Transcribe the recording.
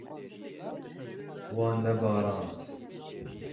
Wan nebarand.